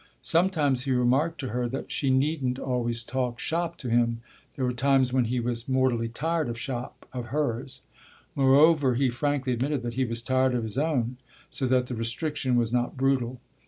Sometimes he remarked to her that she needn't always talk "shop" to him: there were times when he was mortally tired of shop of hers. Moreover, he frankly admitted that he was tired of his own, so that the restriction was not brutal.